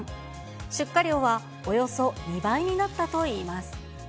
出荷量はおよそ２倍になったといいます。